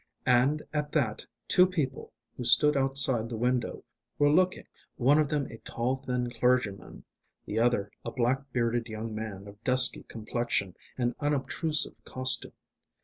And at that two people, who stood outside the window, were looking, one of them a tall, thin clergyman, the other a black bearded young man of dusky complexion and unobtrusive costume.